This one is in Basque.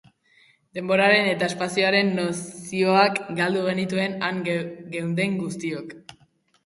Denboraren eta espazioaren nozioak galdu genituen han geunden guztiok.